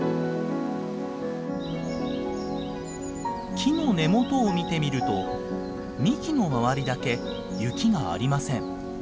木の根元を見てみると幹の周りだけ雪がありません。